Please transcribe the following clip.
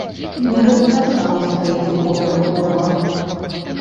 Мне гэта таксама стаіць упоперак горла.